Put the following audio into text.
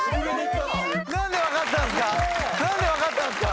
何で分かったんすか？